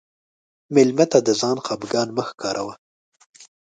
مېلمه ته د ځان خفګان مه ښکاروه.